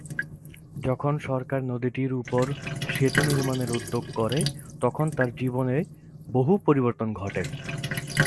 যখন সরকার নদীটির উপর সেতু নির্মাণের উদ্যোগ করে, তখন তাঁর জীবনে বহু পরিবর্তন ঘটে।